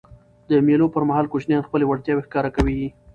د مېلو پر مهال کوچنيان خپلي وړتیاوي ښکاره کوي.